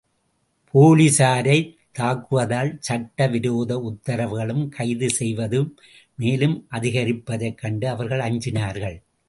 போலிஸாரைத் தாக்குவதால் சட்ட விரோத உத்தரவுகளும், கைது செய்வதும் மேலும் அதிகரிப்பதைக் கண்டு அவர்கள் அஞ்சினார்கள்.